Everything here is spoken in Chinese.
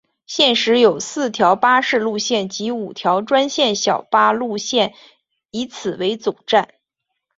现时有四条巴士路线及五条专线小巴路线以此为总站。